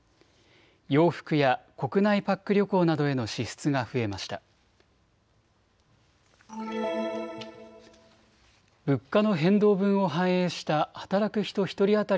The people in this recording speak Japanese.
洋服や国内パック旅行などへの支出が増えました。